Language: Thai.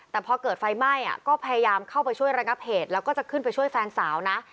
แต่พอเกิดไฟไหม้ก็พยายามเข้าไปช่วยระงับเหตุแล้วก็จะขึ้นไปช่วยแฟนสาวนะ